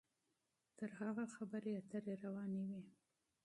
تر هغې بحث به روان وي.